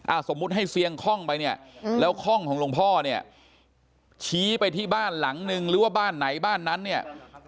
สมมุติให้เซียงคล่องไปเนี่ยแล้วข้องของหลวงพ่อเนี่ยชี้ไปที่บ้านหลังนึงหรือว่าบ้านไหนบ้านนั้นเนี่ย